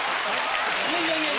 いやいや。